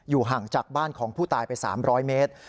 ห่างจากบ้านของผู้ตายไป๓๐๐เมตร